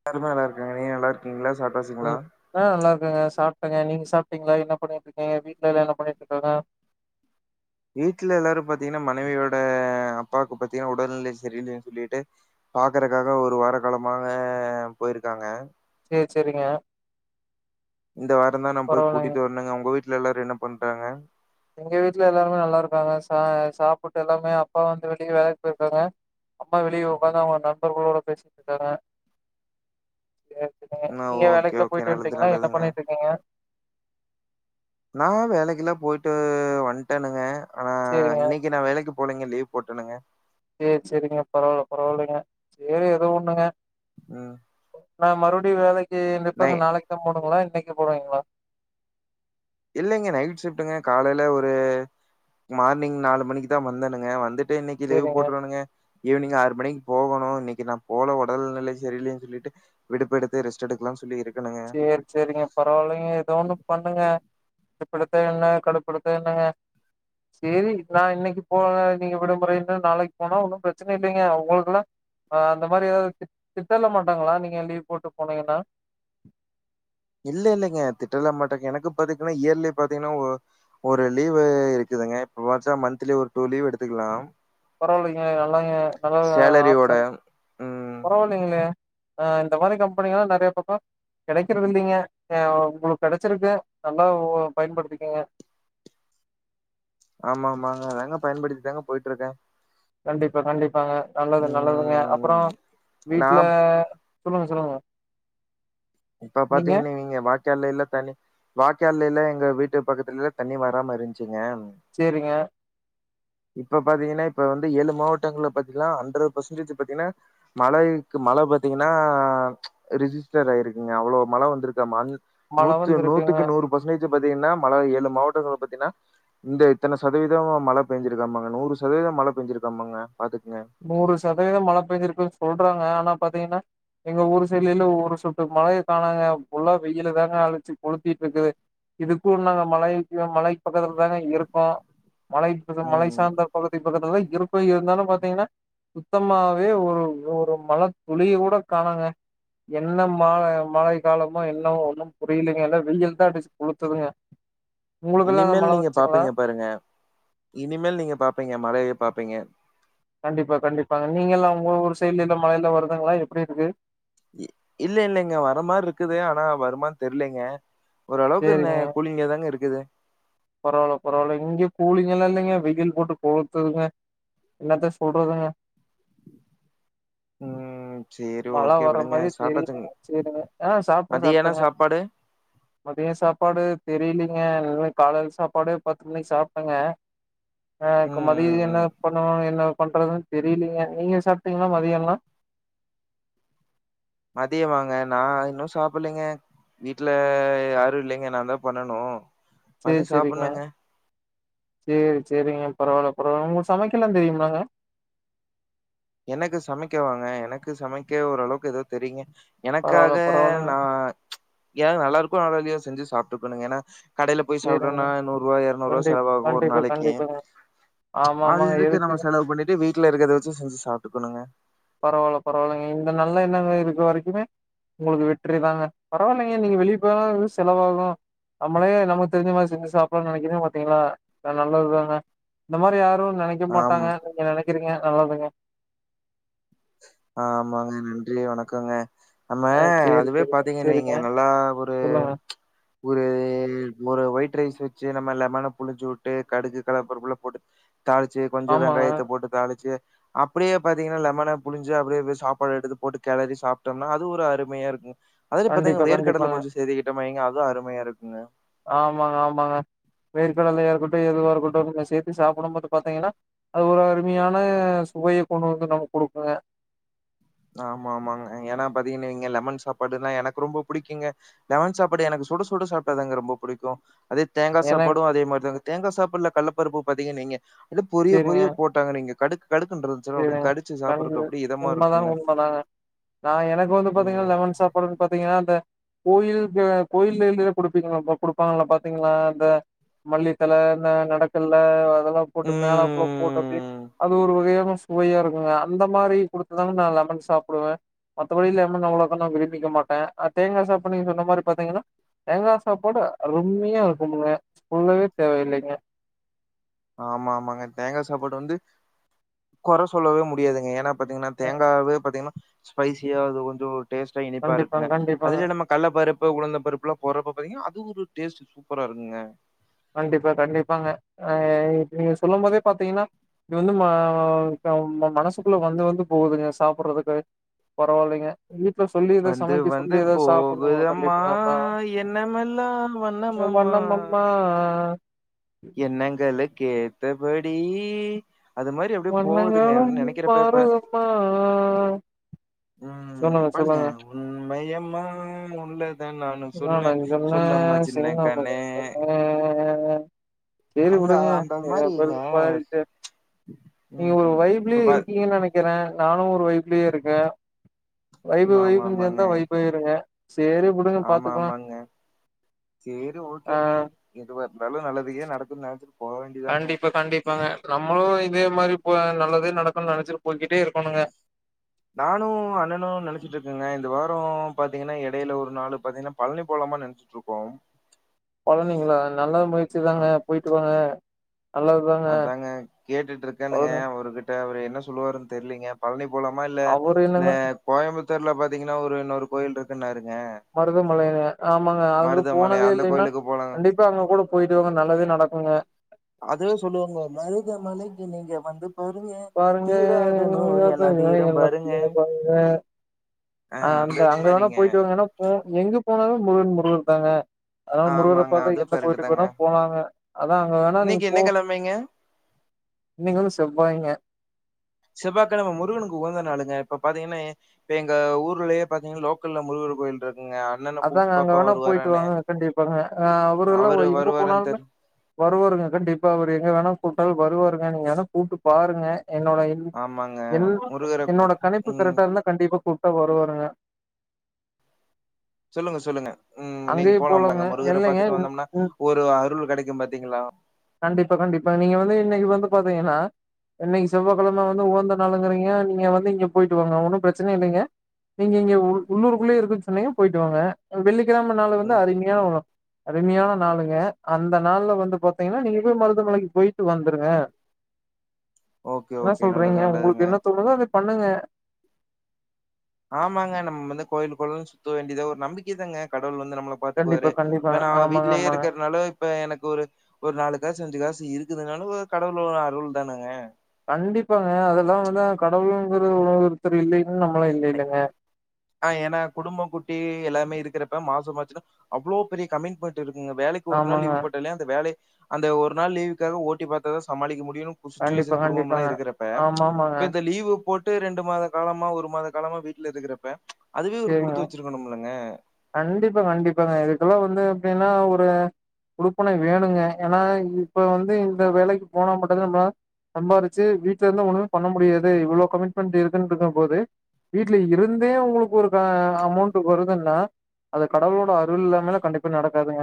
எல்லாருமே நல்லா இருக்காங்க நீங்க நல்லா இருக்கீங்ளா சாப்டாச்சிங்களா ம் ஆ நல்லா இருக்கங்க சாப்ட்டங்க நீங்க சாப்ட்டிங்ளா என்ன பண்ணிட்ருக்கிங்க வீட்ல எல்லா என்ன பண்ணிட்ருக்காங்க வீட்ல எல்லாரு பாத்திங்கனா மனைவியோட அப்பாக்கு பாத்திங்கனா உடல்நிலை சரியில்லைன் சொல்லிட்டு பாக்குறக்காக ஒரு வார காலமாவே போயிருக்காங்க சேரி சேரிங்க இந்த வாரோதா நா போய் பரவாயில்லைங்க கூட்டிட்டு வந்தேங்க உங்க வீட்ல எல்லாரோ என்ன பண்றாங்க எங்க வீட்ல எல்லாருமே நல்லாருப்பாங்க சா சாப்புட்டு எல்லாமே அப்பா வந்து வெளியே வேலக்கு போய்ருப்பாங்க அம்மா வெளிய ஒக்காந்து அவங்க நண்பர்களோட பேசிட்ருக்காங்க ம் ஓகே வேலைக்குலா ஓகே போயிட்டு நல்லது வந்ட்டீங்களா என்ன நல்லதுங்க பண்ணிட்டு நீங்க நா வேலக்கில்லா போய்ட்டு வன்டேனுங்க ஆனா சேரிங்க இன்னிக்கு நா வேலைக்கு போலய்ங்க லீவ் போட்டேணுங்க சே சேரிங்க பரவால்ல பரவால்லைங்க சேரி எதோ ஒண்ணுங்க உம் நா மறுபடியு வேலைக்கி நை நிப்பங்க நாளைக்குதா போடுங்களா இன்னிக்கு போடுவீங்களா இல்லைங்க நைட் ஷிப்டுங்க காலையில ஒரு மார்னிங் நாலு மணிக்குதா வந்தனுங்க வந்துட்டு அப்டியே இன்னிக்கு லீவ் சேரிங்க போட்றுவேனுங்க ஈவினிங் ஆறு மணிக்கு போகோனோ அப்றோ இன்னிக்கு நா போல ஒடல் நிலை சரியில்லை சொல்லிட்டு விடுப்பு எடுத்து ரெஸ்ட் எடுக்கலாம்னு சொல்லி இருக்கனுங்க சேரி சேரிங்க பரவாயில்லைங்க எதோ ஒண்ணு பண்ணுங்க கடுப்பெடுத்தா என்னா கடுப்பெடுத்தா என்னங்க செரி நா இன்னிக்கு போல நீங்க விடுமுறைன்ன நாளைக்கு போனா ஒன்னு பிரச்சன இல்லீங்க அ உங்குளுக்குலா ஆ அந்த மாதிரி எதாவது திட் திட்டெல்லா மாட்டாங்களா நீங்க லீவ் போட்டு போனீங்கனா [inaudible] இல்ல இல்லைங்க திட்டலா மாட்டேங்க எனக்கு பாத்தீங்கன்னா இயர்லி பாத்தீங்கனா ஒ ஒரு லீவு இருக்குதுங்க இப்ப பாத்த மந்த்லி ஒரு டூ லீவு எடுத்துக்கலாம் பரவாலிங்க நல்லாங்க நல்ல ஒரு சேலரியோட ஆப்ஷன் ம் பரவால லீங்களே ஆ இந்த மாதிரி கம்பெனிங்கலா நறைய பக்கோ கெடைக்கறது இல்லீங்க அ உங்குளுக்கு கெடைச்சிருக்கு நல்லா உ பயன்படுத்துக்கீங்க ஆமா ஆமாங்க அதாங்க பயன்டுத்தி தாங்க போயிட்ருக்க கண்டிப்பா கண்டிப்பாங்க நல்லது நல்லதுங்க அப்புறோ ம் நா வீட்ல சொல்லுங்க சொல்லுங்க இப்ப பாத்தீங்கன்னா நீங்க வா கால்லெல்ல தண்ணி வாய்க்காலயெல்லா எங்க வீட்டு பக்கத்துலல்ல தண்ணி வராம இருந்த்ச்சுங்க செரிங்க இப்ப பாத்தீங்கன்னா இப்ப வந்து ஏழு மாவட்டங்கள்ல பாத்தீங்கன்னா அண்டர பர்சன்டேஜ் பாத்தீங்கன்னா மழைக்கு மழ பாத்தீங்கன்னா ரிஜிஸ்டர் ஆயிருக்குங்க அவ்ளோ மழ வந்துருக்காமா அ மழ நூத்து வந்து இருக்குங்க நூத்துக்கு நூறு பர்சன்டேஜு பாத்தீங்கன்னா மழ ஏழு மாவட்டங்கள பாத்தீங்கன்னா இந்த இத்தன சதவீதோ மழ பேஞ்சிருக்காமாங்க நூறு சதவீதோ மழை பேஞ்சிருக்காமாங்க பாத்துக்குங்க நூறு சதவீதம் மழ பேஞ்சிருக்குன்னு சொல்றாங்க ஆனா பாத்தீங்கன்னா எங்க ஊரு சைடுலுல ஒரு சொட்டு மழைய கானோங்க ஃபுல்லா வெயில தாங்க அழிச்சு கொளுத்திட்டு இருக்குது இதுக்கு நாங்க மலைக்கு மலைக் பக்கத்துல தாங்க இருக்கோ மலை இது மலை ம் சார்ந்த பகுதி பக்கத்துல தா இருக்கோ இருந்தாலு பாத்தீங்கன்னா சுத்தமாவே ஒரு ஒரு மழ துளிய கூட காணோங்க என்ன மால மழை காலமோ என்னவோ ஒன்னும் புரியுலங்க இல்ல வெயில்தா அடிச்சு குளுத்துதுங்க இனிமேல் நீங்க பாப்பீங்க பாருங்க இனிமேல் நீங்க பாப்பீங்க மழைய பாப்பீங்க கண்டிப்பா கண்டிப்பாங்க நீங்க எல்லா உங்க ஊரு சைடுல எல்லா மழையெல்லா வருதுங்களா எப்டி இருக்கு இல்ல இல்லலைங்க வர மாரி இருக்குது ஆனா வருமான்னு தெரியிலங்க ஒரு அளவுக்கு ந சேரிங்க கூலிங்க தாங்க இருக்குது பரவால்ல பரவால்ல இங்க கூலிங்கெல்லா இல்லைங்க வெயில் போட்டு கொளுத்துதுங்க என்னாத்த சொல்றதுங்க ம் சரி மழ ஓகே வர விடுங்க மாரியே சாப்ட்டாச்சுங்களா தெரியலைங்க சேரிங்க ஆ சாப்ட்ட மதியான சாப்ட்டங்க சாப்பாடு? மதிய சாப்பாடு தெரியலீங்க காலையில சாப்பாடு பத்து மணிக்கு சாப்ட்டங்க ஆ இப்ப ம், ம், மதிய என்ன ம். பண்ணுவாங்க என்ன பண்றது தெரியலீங்க நீங்க சாப்ட்டீங்களா மதியல்லா மதிய வாங்க நா இன்னு சாப்படலைங்க வீட்ல யாரு இல்லைங்க நா தா பண்ணணு சேரி சேரிங்க சேரி சேரிங்க பரவால்ல பரவால உங்களுக்கு சமைக்கலா தெரியுமாங்க எனக்கு சமைக்க வாங்க எனக்கு சமைக்க ஓரளவுக்கு ஏதோ தெரியுங்க பரவால்ல எனக்காக பரவால்லங்க நா ஏது நல்லா இருக்கோ நல்ல இல்லயோ செஞ்சு சாப்ட்டுக்கணுங்க ஏன்னா கடையில போய் சேரிங்க சாப்ட்டோம்னா நூறு ரூவா இருநூறு ரூவா கண்டிப் செலவாகு ஒரு கண்டிப்பா நாளைக்கு கண்டிப்பாங்க ஆமா அது ஆமாங்க எதுக்கு நம்ம செலவு பண்ணிட்டு வீட்டுல இருக்கத வச்சு செஞ்சு சாப்ட்டுக்கணுங்க பரவால பரவாயில்லைங்க இந்த நல்ல எண்ணங்க இருக்க வரைக்குமே உங்களுக்கு வெற்றி தாங்க பரவாயில்லைங்க நீங்க வெளியே போன செலவாகு நம்மளே நமக்கு தெரிஞ்ச மாரி செஞ்சு சாப்பிடனு நனைக்கிற பாத்தீங்களா நல்லது தாங்க இந்த மாரி யாரும் நனைக்க ஆமா, மாட்டாங்க நீங்க நனைக்கிறீங்க நல்லதுங்க ஆமாங்க நன்றி வணக்கோங்க நம்ம ஆ சேரி அதுவே சேரிங்க பாத்தீங்கன்னு வைங்க சேரிங்க நல்லா ஒரு சொல்லுங்க ஒரு ஒரு ஒயிட் ரைஸ் வச்சு நம்ம லெமனா புழுஞ்சு உட்டு கடுகு கள்ளபருப்புலா போட்டு தாளிச்சு கொஞ்சோ ஆமாங்க வெங்காயத்த போட்டு தாளிச்சு அப்படியே பாத்தீங்கன்னா லெமன புழிஞ்சு அப்படியே சாப்பாடு எடுத்து போட்டு கெளறி சாப்பிட்டோம்னா அது ஒரு அருமையா இருக்கு அதுல பாத்தீங்க கண்டிப்பா வேர்க கடல கண்டிப்பாங்க கொஞ்ச சேர்த்துக்கிட்டேனா அது அருமையா இருக்குங்க ஆமாங்க ஆமாங்க வேர்க்கடலயா இருக்கட்டு எதுவா இருக்கட்டு நீங்க சேத்து சாப்பிடும்போது பாத்தீங்கன்னா அது ஒரு அருமையான சுவைய கொண்டு வந்து நமக்கு கொடுக்குங்க ஆமா ஆமாங்க ஏன்னா பாத்தீங்கன்னங்க வைங்க லெமன் சாப்பாடுனா எனக்கு ரொம்ப பிடிக்குங்க லெமன் சாப்பாடு எனக்கு சுட சுட சாப்ட்டாதாங்க ரொம்ப பிடிக்கு அதே தேங்காய் ஏன்னா சாப்பாடுஜஅதே மாரிதாங்க தேங்காய் சாப்பாடுல கள்ளப்பருப்பு பாத்தீங்க வைங்க அப்டே பொரிய சேரிங்க பொரிய போ [unintelligible] கடுக்கு கடுக்கு இருந்துச்சுன்னா அப்டே கடிச்சு சாப்பற்கு அப்டியே இதம்மா இருக்குங்க உண்ம தாங்க நா எனக்கு வந்து பாத்தீங்கன்னா ம். லெமன் சாப்பாடுன்னு பாத்தீங்கன்னா அந்த கோயிலுக்கு கோயில் எத குடுப்பீங்கள குடுப்பாங்கல்ல பாத்தீங்களா இந்த மல்லித்தல இந்த நடக்கல்ல அதெல்லாம் போட்டு மேலேப்புல போட்டு அப்டே ம். அது ஒரு வகையான சுவையா இருக்குங்க அந்த மாரி குடுத்துதாங்க நா லெமன் சாப்பிடுவ மத்தபடி லெமன் நா அவ்ளோக்கா நா விரும்பிக்க மாட்ட அ தேங்கா சாப்பாடு நீங்க சொன்ன மாரி பாத்தீங்கன்னா தேங்காய் சாப்பாடு அருமையா இருக்குனுங்க சொல்லவே தேவையில்லைங்க ஆமா ஆமாங்க தேங்காய் சாப்பாடு வந்து கொற சொல்லவே முடியாதுங்க ஏன்னா பாத்தீங்கன்னா தேங்காவே பாத்தீங்கன்னா ஸ்பைசியா அது கொஞ்சோ டேஸ்ட்டா இனிப்பா இருக்குங்க கண்டிப்பாங்க கண்டிப்பாங்க அதிலேயே நம்ம கள்ள பருப்பு உளுந்தம் பருப்புல்லா போறப்ப பாத்தீங்கன்னா அது ஒரு டேஸ்ட்டு சூப்பரா இருக்குங்க கண்டிப்பா கண்டிப்பாங்க ஆ நீங்க சொல்லும்போதே பாத்தீங்கன்னா இது வந்து ம மனசுக்குள்ள வந்து வந்து போகுதுங்க சாப்படுறதுக்கு பரவாயில்லைங்க வீட்ல சொல்லி எத வந்து சமைக்க வந்து சொல்லி எதா சாப்புணு போகுதம்மா கண்டிப்பானா எண்ணமெல்லாம் ஒ வண்ணமம்மா மன்னன் அம்மா எண்ணங்கலுக்கேத்த படி அது மாரி அப்டே போவுதுங்க வண்ணங்களும் அப்டின் நினைக்கிறப்பப்ப மாறுதம்மா. ம் சொல்லுங்க, பாடுங்க சொல்லுங்க. உன்மையமா உண்டதனால் இன்னு சொல்லே நானும் கண்ணே சொல்லம்மா சிங்கம சின்னக்கண்ணே சேரி உடுங்க அந்த எதாப்பல் மாரிங்க போயிடிச்சே நீங்க ம் ஒரு ம் இப்ப வைப்லியே பா இருக்கீங்கன்னு நெனக் க்கிறே நானு ஒரு வைப்லயே இருக்கே வைபு ஆமா வைபு ஆமாங்க சேந்தா வைபு ங்க சேரி உடுங் ஆமா ஆமாங்க சேரி ஆ ஓகேங்க எதுவா இருந்தாலு நல்லதுக்கே நடக்கு நெனச்சு கண்டிப்பா கண்டிப்பாங்க நம்மளு இதே மாரி போ நல்லததே நடக்குன்னு நெனச்சிட்டு போய்கிட்டே இருக்கணுங்க நானு அண்ணனு நெனச்சிட்ருக்கங்க இந்த வாரோ பாத்தீங்கன்னா எடையில ஒரு நாள் பாத்தீங்கன்னா பழனி போலாமா நெனைச் ட்ருக்கோம் பழனிங்களா நல்லா அ முயற்சிதாங்க போயிட்டு வாங்க நல்லதுதாங்க அதாங்க கேட்டுட்டு இருக்கனுங்க பழனி அவர்கிட்ட அவரு என்ன சொல்லுவாருன்னு தெரியலீங்க பழனி போலமா இல்ல அவரு இந்த என்னங்க கோயம்புத்தூர்ல பாத்தீங்கன்னா ஒரு இன்னொரு கோவில் இருக்குன்னாருங்க மருதமலைய ஆமாங்க அங்க மருதமலை போனதே அந்த இல்லைன்னா கோயிலுக்கு போலாங்க கண்டிப்பா அங்க கூட போயிட்டுவாங்க நல்லதே நடக்குங்க அதுவே சொல்லுவாங்க மருதமலைக்கு நீங்க வந்து பாருங்க பாருங்க தீராத நோயெல்லா தீரும் பாருங்க அ அந்த இது அங்க வேணா மாரிங்க போயிட்டு வந்தீங்கன்னா போ எங்க போனாலு முருகன் முருகன் தானுங்க அதனால முருகன ஆமாங்க பார்க்க அதுவு எந்த கரெக்ட் கோயிலுக்கு தாங்க வேணாலு போலாங்க அதான் அங்க வேணா நீங்க இன்னைக்கு போ என்ன போங்க கெழமைங்க இன்னைக் வந்து செவ்வாய்ங்க செவ்வா கிழம முருகனுக்கு உகந்த நாளுங்க இப்ப பாத்தீங்கன்னே இப்ப எங்க ஊர்லயே பாத்தீங்கன் லோக்கல்ல முருகர் கோயில் இருக்குங்க அண்ணன அதாங்க கூப்ட்டு அங்க பாப்போம் வேணா போயிட்டு வருவாரான்னு. வாங்க கண்டிப்பாங்க அ அவர்ல்லா அவரு ஒய் எங்க வருவாரான்னு போனாலுமே தெர் வருவாருங்க கண்டிப்பா அவர் எங்க வேணா கூப்ட்டாலு வருவாருங்க நீங்க வேணா கூப்ட்டு பாருங்க என்னோட இன் ஆமாங்க. என் முருகர கூ என்னோட கணிப்பு ம். கரெக்டாருந்தா கண்டிப்பா கூப்ட்டா வருவாருங்க சொல்லுங்க சொல்லுங்க ம் நீங்க அங்கயு போலா போலாங்க பாருங்க முருகர இல்லைங்க பாத்துட்டு ம் வந்தோம்னா ம் ஒரு அருள் கெடைக்கு பாத்தீங்களா கண்டிப்பா கண்டிப்பா நீங்க வந்து இன்னைக்கு வந்து பாத்தீங்கன்னா இன்னைக் செவ்வாக்கெழம வந்து உகந்த நாளுங்கிறீங்க நீங்க வந்து இங்க போயிட்டு வாங்க ஒன்னு ப்ரச்சன இல்லைங்க நீங்க இங்க உள் உள்ளூர்க்குள்ளயே இருக்குன் சொன்னீங்க போயிட்டு வாங்க வெள்ளிக்கெழம நால வந்து ம். அருமையாவுழும் அருமையான நாளுங்க அந்த நாள்ல வந்து பாத்தீங்கன்னா நீங்க போய் மருதமலைக்கு போயிட்டு வந்துருங்க ஓகே, என்ன ஓகே. நல்லது, சொல்றீங்க நல்லதுங்க. உங்களுக்கு என்ன தோணுதோ அத பண்ணுங்க ஆமாங்க நம்ம வந்து கோயிலு கொளன் சுத்த வேண்டியதா ஒரு நம்பிக்கை தாங்க கடவுள் வந்து நம்மளப் கண்டிப்பா, பாத்துக்குவாரு இப்ப கண்டிப்பாங்க. நா ஆமாங்க, வீட்லயே ஆமாங்க. இருக்கர்னால இப்ப எனக்கு ஒரு ஒரு நாலு காசு அஞ்சு காசு இருக்குதுனால ஒ கடவுளோட அருள் தானங்க கண்டிப்பாங்க அதெல்லா வந்தா கடவுளுங்குற ஒருத்தர் இல்லைன்னு நம்மளா இல்லலிங்க ஆ எனா குடும்பம் குட்டி எல்லாமே இருக்குறப்ப மாசம் மாச்சுன்னா அவ்ளோ பெரிய கமிட்மெண்ட் இருக்குங்க வேலைக் இப்போ போ ஒரு நாள் ஆமாங்க. லீவு போட்டாலே அந்த வேலை அந்த ஒரு நாள் லீவுக்காக ஓட்டி பாத்தாதா சமாளிக்க முடியு கண்டிப்பா, சிச்சுவேஷன் குடும்பம் எல்லா கண்டிப்பாங்க. இருக்குறப்ப ஆமாமாங்க. ப இந்த லீவு போட் டு ரெண்டு மாத காலமா ஒரு மாத காலமா வீட்ல இருக்குறப்ப அதுவே ஒரு சரிங்க. குடுத்து வச்சிருக்கணுல்லங்க கண்டிப்பா கண்டிப்பாங்க இதுக்கெல்லா வந்து எப்டின்னா ஒரு குடுப்பனை வேணுங்க ஏன்னா இப்ப வந்து இந்த வேலைக்கு போனா மட்டுந்தா நம்ம சம்பாரிச்சி வீட்ல இருந்தா ஒண்ணுமே பண்ண முடியாது இவ்ளோ கமிட்மெண்ட் இருக்குன்றுக்கு போது வீட்ல இருந்தே உங்குளுக் ஒரு க அமௌண்ட் வருதுன்னா அத கடவுளோட அருள் இல்லாமலா கண்டிப்பா நடக்காதுங்க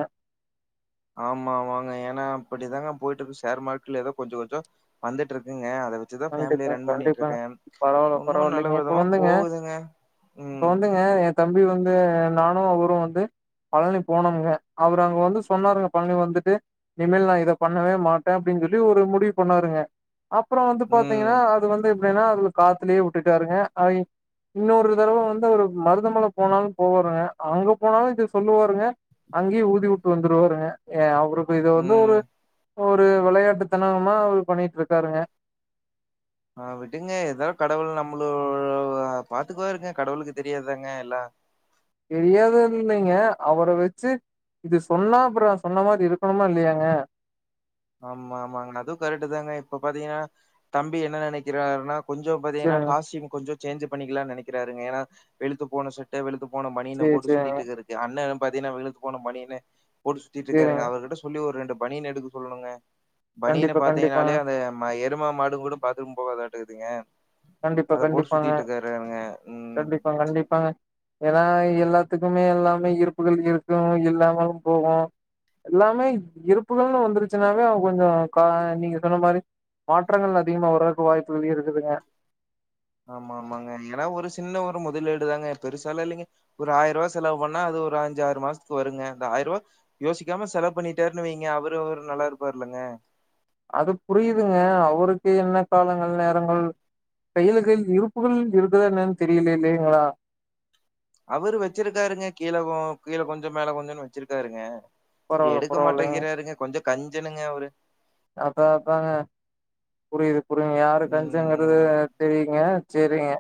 ஆமா வாங்க எனா அப்டிதாங்க போய்ட்ருக்கு ஷேர் மார்ட்ல எதோ கொஞ்சோ கொஞ்சோ வந்துட்ருக்குங்க அத வெ ச்சுதா ஃபேமிலிய கண்டிப்பா ரன் கண்டிப்பாங்க பண்ணிட்ருக்கே பரவால்ல உன்னு நல்ல பரவால்லைங்க இப்ப விதமா வந்துங்க போகுதுங்க இப்ப ம் வந்துங்க எ தம்பி வந்து நானு அவரு வந்து பழனி போனம்ங்க அவரு அங்க வந்து சொன்னாருங்க பழனி வந்துட்டு இனிமேல் நா இத பண்ணவே மாட்டே அப்டின் சொல்லி ஒரு முடிவு பண்ணாருங்க அப்பறோ வந்து ம் பாத்தீங்கனா அது வந்து எப்டினா அதுல காத்துலையே உட்டுட்டாருங்க ஐ இன்னொரு தரவ வந்து அவரு மருதமல போனாலு போரங்க அங்க போனாலு இத சொல்லுவாருங்க அங்கயு ஊதிஉட்டு வந்துருவாருங்க எ அவரு இப்ப இத வந்து ம் ஒரு ஒரு விளையாட்டுத்தனமா அவரு பண்ணிட்ருக்காருங்க ஆ விடுங்க எதோ கடவுள் நம்மளு பாத்துக்குவாருங்க கடவுளுக்கு தெரியாதாங்க எல்லா தெரியாதுன் இல்லைங்க அவுர வெச்சு இது சொன்னா அப்பறோ சொன்ன மாரி இருக்கணுமா இல்லையாங்க ஆமா ஆமாங்கனா அது கரெக்ட்டுதாங்க இப்ப பாத்தீங்கனா தம்பி என்ன நெனைக்கிறார்னா கொஞ்சோ பாத்தீங்கனா சேரிங்க காஸ்ட்யூம் கொஞ்சோ சேஞ்சு பண்ணிக்கலா நெனைக்குறாருங்க எனா வெலுத்து போன ச த வெலுத்து போன பனியன சேரி போட்டு சேரி சுத்திட்ருக்காரு அண்ண பாத்தீன்னா வெலுத்து போன பனியனு போட்டு சுத்திட்ருக்காருங்க சேரிங்க அவருகிட்ட சொல்லி ஒரு ரெண்டு பனியன் எடுக பனியன கண்டிப்பா கண்டிப்பாங்க பாத்தீங்கனாலே அது எரும மாடு கூட பாத்ரூம் போகாதாட்ருக்குதுங்க கண்டிப்பா கண்டிப்பாங்க ம். கண்டிப்பாங் கண்டிப்பாங்க எனா எல்லாத்துக்குமே எல்லாமே இருப்புகள் இருக்கு இல்லாமாலு போகு எல்லாமே இப் இருப்புகள்னு வந்துருச்சுன்னாவே அவ கொஞ்சோ கா நீங்க சொன்ன மாரி மாற்றங்கள் அதிகமா வரக்கு வாய்ப்புகள் இருக்குதுங்க ஆமா ஆமாங்க எனா ஒரு சின்ன ஒரு முதலீடுதாங்க பெருசாலா இல்லிங்க ஒரு ஆயருவா செலவு பண்ணா அது ஒரு அஞ்சாறு மாசத்துக்கு வருங்க அந்த ஆயருவா யோசிக்காம செலவு பண்ணிட்டாருன் வைங்க அவரவர் நல்லாருப்பார் இல்லங்க அது புரியுதுங்க அவருக்கு என்ன காலங்கள் நேரங்கள் கையில கையில் இருப்புகள் இருக்குதா என்னன் தெரியில இல்லைங்களா அவுரு வெச்சிருக்காருங்க கீழ கொ கீழ கொஞ்சோ மேல கொஞ்சொன்னு வெச்சிருக்காருங்க ரு பரவால்ல எடுக்க பரவால்லைங்க மாட்டேங்கிறாருங்க கொஞ்சோ கஞ்சணுங்க அவுரு அப்பாபங்க புரியுது புரியுது யாரு கஞ்சங்க அது ம் தெரியுங்க சேரிங்க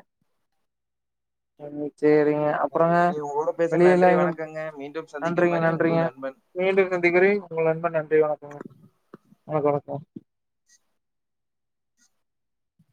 [inaudible] சேரிங்க அப்பறோங்க இன்னைக்கு உங்களோட பேசுன வெளியெல்லா நன்றி எங்யு வணக்கங்க மீண்டும் சந்திக்கும் நன்றிங்க வரை நன்றிங்க உங்கள் நண்பன் மீண்டும் சந்திகிறே உங்கள் நண்பன் நன்றி வணக்கங்க வணக்கோ வணக்கோ